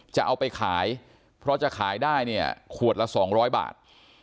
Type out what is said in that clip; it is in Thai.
จะเอาไปขายเพราะจะขายได้เนี่ยขวดละ๒๐๐บาท